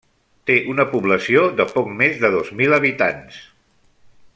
Té una població de poc més de dos mil habitants.